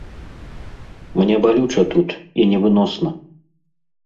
Мне балюча тут і невыносна.